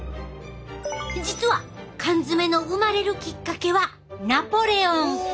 実は缶詰の生まれるきっかけはナポレオン！